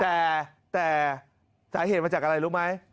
แต่สาเหตุมาจากอะไรรู้ไหม